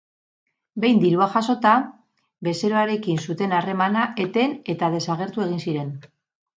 Behin dirua jasota, bezeroarekin zuten harremana eten eta desagertu egiten ziren.